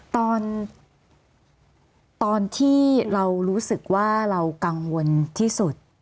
ตอนที่เรารู้สึกว่าเรากังวลที่สุด